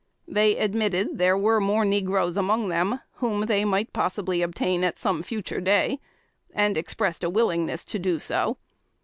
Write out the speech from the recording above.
They admitted there were more negroes among them, whom they might probably obtain at some future day, and expressed a willingness to do so.